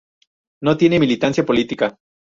No tiene militancia política.